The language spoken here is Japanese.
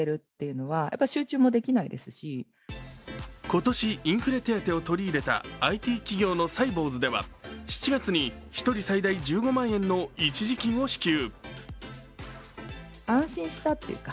今年、インフレ手当を取り入れたＩＴ企業のサイボウズでは、７月に１人最大１５万円の一時金を支給。